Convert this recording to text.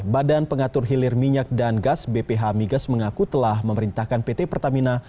badan pengatur hilir minyak dan gas bph migas mengaku telah memerintahkan pt pertamina